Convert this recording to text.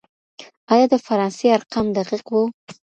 آيا د فرانسې ارقام دقيق وو؟